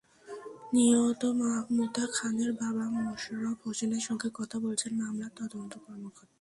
নিহত মাহমুদা খানমের বাবা মোশাররফ হোসেনের সঙ্গে কথা বলছেন মামলার তদন্ত কর্মকর্তা।